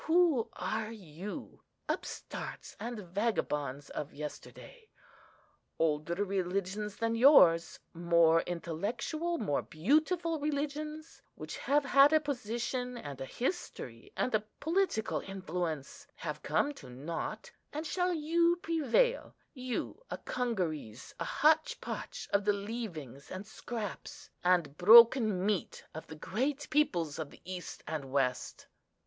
Who are you? upstarts and vagabonds of yesterday. Older religions than yours, more intellectual, more beautiful religions, which have had a position, and a history, and a political influence, have come to nought; and shall you prevail, you, a congeries, a hotch potch of the leavings, and scraps, and broken meat of the great peoples of the East and West?